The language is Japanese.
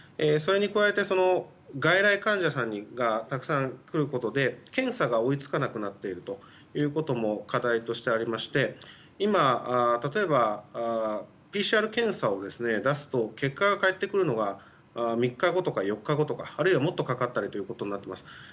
それに加えて、外来患者さんがたくさん来ることで検査が追い付かなくなっているということも課題としてありまして今、例えばＰＣＲ検査を出すと結果が返ってくるのが３日後とか４日後とかあるいはもっとかかることになっています。